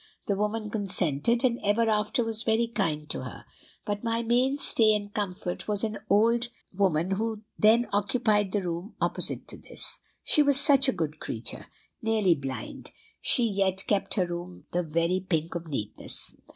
The woman consented, and ever after was very kind to her. But my main stay and comfort was an old woman who then occupied the room opposite to this. She was such a good creature! Nearly blind, she yet kept her room the very pink of neatness.